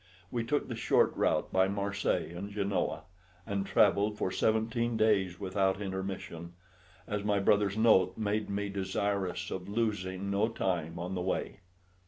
We took the short route by Marseilles and Genoa, and travelled for seventeen days without intermission, as my brother's note made me desirous of losing no time on the way.